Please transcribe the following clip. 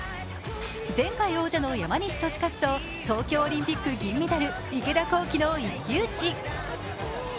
前回王者の山西利和と東京オリンピック銀メダル、池田向希の一騎打ち。